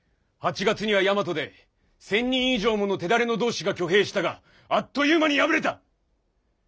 ８月には大和で１，０００人以上もの手だれの同志が挙兵したがあっという間に敗れた。